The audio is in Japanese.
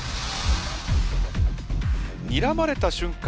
にらまれた瞬間